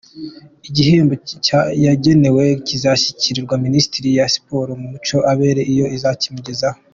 Igihembo yagenewe kizashyikirizwa Minisiteri ya Siporo n’Umuco abe ari yo izakimugezaho.